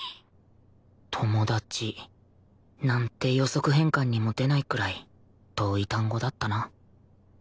友達なんて予測変換にも出ないくらい遠い単語だったな